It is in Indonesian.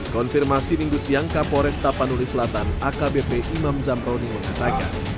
konfirmasi minggu siang kapolres tapanuli selatan akbp imam zamroni mengatakan